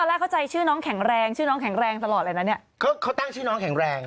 เขาตั้งชื่อน้องแข็งแรงชื่อน้องแข็งแรงชื่อน้องแข็งแรง